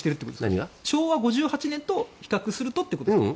昭和５８年と比較するとってことですか？